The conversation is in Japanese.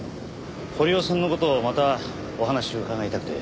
堀尾さんの事をまたお話伺いたくて。